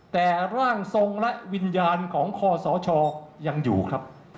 แต่ร่างทรงและวิญญาณของคอสชยังอยู่ครับ